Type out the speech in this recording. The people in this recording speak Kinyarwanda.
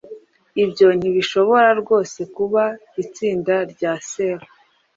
Ibyo ntibishobora rwose kuba itsinda rya Sera?